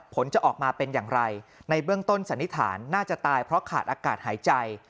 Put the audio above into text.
ผลจะออกมาเป็นอย่างไรในเบื้องต้นสันนิษฐานน่าจะตายเพราะขาดอากาศหายใจ